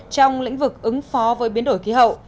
trong lĩnh vực ứng phó với biến đổi khí hậu